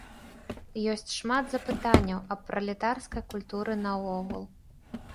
Ёсць шмат запытанняў аб пралетарскай культуры наогул.